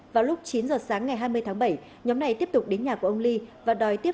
vào lúc chín giờ sáng ngày hai mươi tháng bảy nhóm này tiếp tục đến nhà của ông ly và đòi tiếp